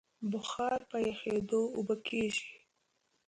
بخار په یخېدو اوبه کېږي.